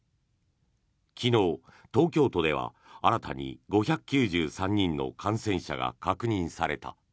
昨日、東京都では新たに５９３人の感染者が確認された。